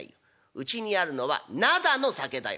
うちにあるのは灘の酒だよ」。